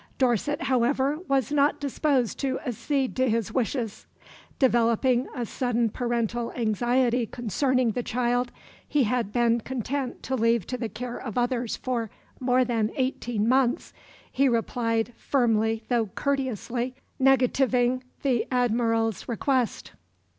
Dorset, however, was not disposed to accede to his wishes. Developing a sudden parental anxiety concerning the child he had been content to leave to the care of others for more than eighteen months, he replied, firmly though courteously negativing the Admiral's request.